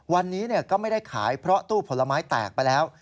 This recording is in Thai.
วันนี้ก็ไม่ได้ขายเพราะตู้ผลไม้แตกไปแล้ว